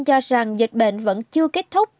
cho rằng dịch bệnh vẫn chưa kết thúc